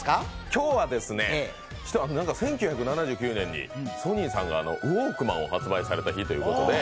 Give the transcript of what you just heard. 今日はですね、１９７９年にソニーさんがウォークマンを発売された日ということです。